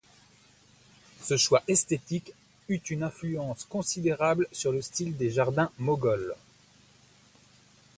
Ce choix esthétique eu une influence considérable sur le style des jardins moghols.